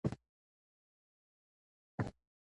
د افغانستان ولايتونه د افغانستان د سیلګرۍ برخه ده.